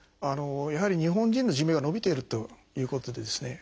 やはり日本人の寿命が延びているということでですね